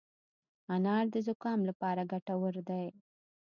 انار د زکام لپاره ګټور دی.